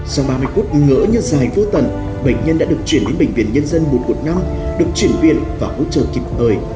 sau ba mươi phút ngỡ như dài vô tận bệnh nhân đã được chuyển đến bệnh viện nhân dân một trăm một mươi năm được chuyển viện và hỗ trợ kịp ời